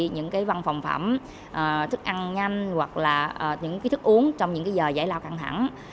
những văn phòng phẩm thức ăn nhanh hoặc là những thức uống trong những giờ giải lao căng thẳng